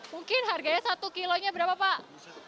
mungkin harganya satu kg nya berapa pak